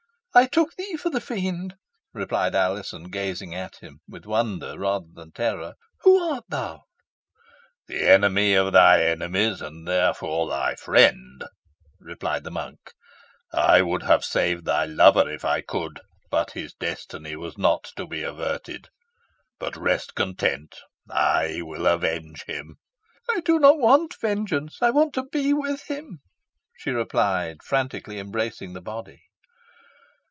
"I took thee for the Fiend," replied Alizon, gazing at him with wonder rather than with terror. "Who art thou?" "The enemy of thy enemies, and therefore thy friend," replied the monk. "I would have saved thy lover if I could, but his destiny was not to be averted. But, rest content, I will avenge him." "I do not want vengeance I want to be with him," she replied, frantically embracing the body.